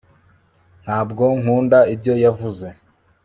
ntabwo nkunda ibyo yavuze